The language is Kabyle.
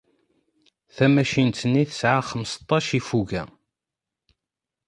Tamacint-nni tesɛa xmesṭac ifuga.